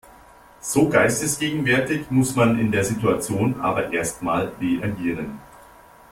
So geistesgegenwärtig muss man in der Situation aber erst mal reagieren.